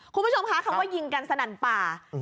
คุณผู้ชมคะคำว่ายิงกันสนั่นป่า